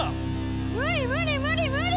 無理無理無理無理！